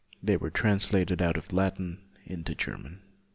They were translated out of Latin into German.